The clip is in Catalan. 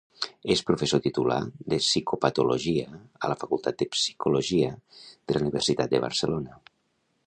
És professor titular de psicopatologia a la Facultat de Psicologia de la Universitat de Barcelona.